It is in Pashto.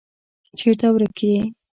چیرته ورک یې.